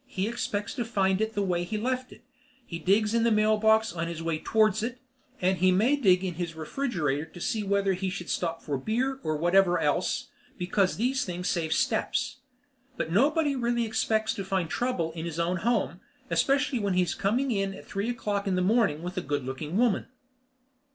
He expects to find it the way he left it. He digs in the mailbox on his way towards it, and he may dig in his refrigerator to see whether he should stop for beer or whatever else, because these things save steps. But nobody really expects to find trouble in his own home, especially when he is coming in at three o'clock in the morning with a good looking woman.